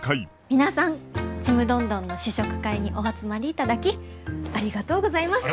皆さんちむどんどんの試食会にお集まりいただきありがとうございます。